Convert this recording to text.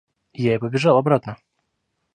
Я и побежал обратно.